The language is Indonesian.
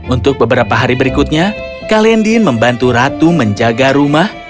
untuk beberapa hari berikutnya kalendin membantu ratu menjaga rumah